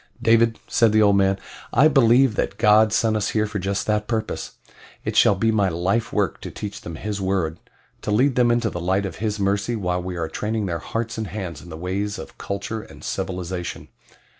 "David," said the old man, "I believe that God sent us here for just that purpose it shall be my life work to teach them His word to lead them into the light of His mercy while we are training their hearts and hands in the ways of culture and civilization."